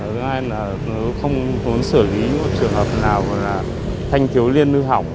thứ hai là không muốn xử lý một trường hợp nào là thanh thiếu liên lưu hỏng